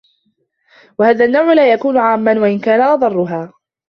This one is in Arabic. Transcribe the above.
وَهَذَا النَّوْعُ لَا يَكُونُ عَامًّا وَإِنْ كَانَ أَضَرَّهَا